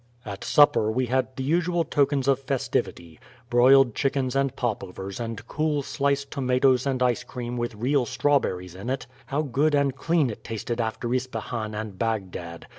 At supper we had the usual tokens of festivity: broiled chickens and pop overs and cool, sliced tomatoes and ice cream with real strawberries in it (how good and clean it tasted after Ispahan and Bagdad!)